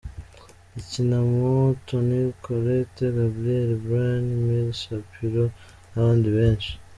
Ikinamo Toni Colette, Gabriel Byrne, Milly Shapiro n’abandi benshi.